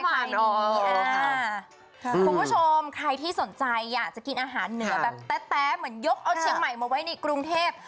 คุณผู้ชมใครที่สนใจอยากจะกินอาหารเหนือแบบแต๊เหมือนยกเอาเชียงใหม่มาไว้ในกรุงเทพ